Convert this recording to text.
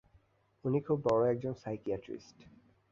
উনি খুব বড় একজন সাইকিয়াট্রিস্ট।